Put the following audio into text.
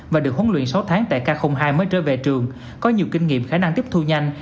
và được huấn luyện sáu tháng tại k hai mới trở về trường có nhiều kinh nghiệm khả năng tiếp thu nhanh